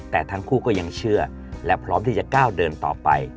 แต่ทั้งคู่ก็ยังเชื่อและพร้อมที่จะก้าวเดินต่อไป